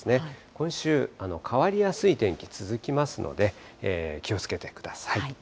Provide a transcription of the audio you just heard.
今週、変わりやすい天気続きますので、気をつけてください。